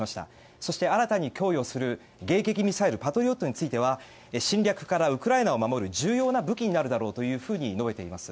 そして、新たに供与する迎撃ミサイルパトリオットについては侵略からウクライナを守る重要な武器になるだろうと述べています。